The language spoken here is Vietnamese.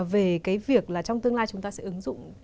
về cái việc là trong tương lai chúng ta sẽ ứng dụng